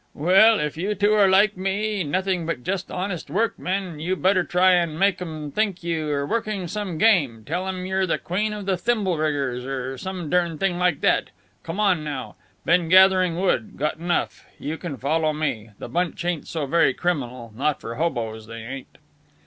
"Well, if you two are like me, nothing but just honest workmen, you better try and make 'em think you're working some game tell 'em you're the Queen of the Thimble riggers or some dern thing like that. Come on, now. Been gathering wood; got enough. You can follow me. The bunch ain't so very criminal not for hoboes they ain't."